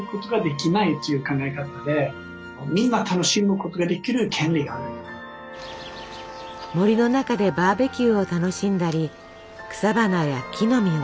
森の中でバーベキューを楽しんだり草花や木の実を集めたり。